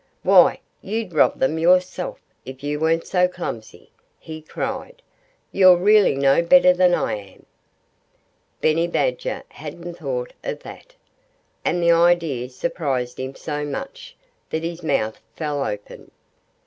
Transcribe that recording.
"Why, you'd rob them yourself if you weren't so clumsy!" he cried. "You're really no better than I am." Benny Badger hadn't thought of that. And the idea surprised him so much that his mouth fell open.